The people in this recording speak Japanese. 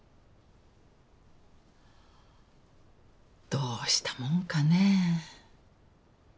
どうしたもんかねぇ。